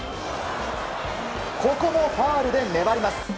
ここもファウルで粘ります。